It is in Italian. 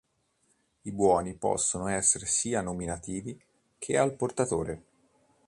I buoni possono essere sia nominativi che al portatore.